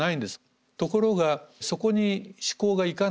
ところがそこに思考がいかない。